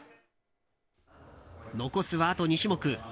残すは、あと２種目。